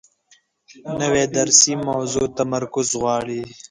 نوې درسي موضوع تمرکز غواړي